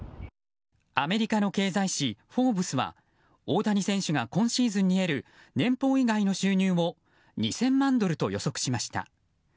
アメリカの経済誌「フォーブス」は大谷選手が今シーズンに得る年俸以外の収入を２０００万ドルと予測しました。